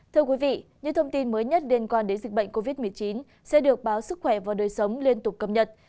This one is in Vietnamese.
thưa quý vị những thông tin mới nhất liên quan đến dịch bệnh covid một mươi chín sẽ được báo sức khỏe và đời sống liên tục cập nhật